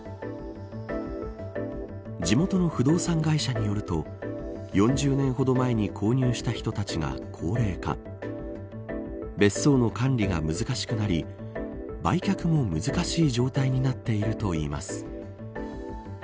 地元の不動産会社によると４０年ほど前に購入した人たちが高齢化別荘の管理が難しくなり売却も難しい状態になっているといいます。